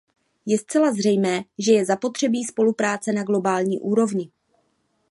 Je zcela zřejmé, že je zapotřebí spolupráce na globální úrovni.